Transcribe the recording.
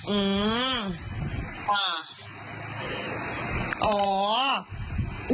อืม